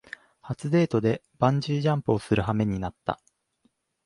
初デートでバンジージャンプするはめになった